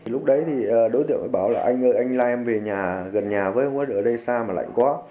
lúc đấy thì đối tượng bảo là anh ơi anh lai em về nhà gần nhà với không có ở đây xa mà lạnh quá